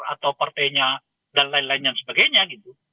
atau partainya dan lain lain dan sebagainya gitu